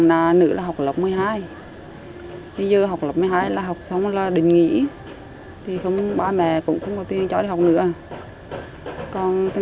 nắng thì nóng còn lúc mưa thì ướt